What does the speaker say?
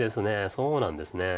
そうなんですね。